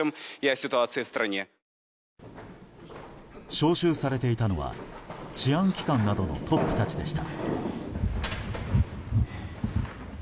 召集されていたのは治安機関などのトップたちでした。